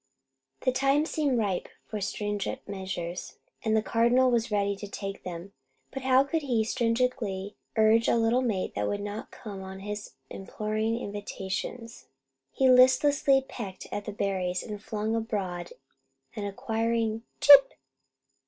The time seemed ripe for stringent measures, and the Cardinal was ready to take them; but how could he stringently urge a little mate that would not come on his imploring invitations? He listlessly pecked at the berries and flung abroad an inquiring "Chip!"